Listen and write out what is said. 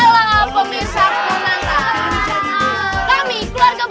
alhamdulillah terima kasih ya allah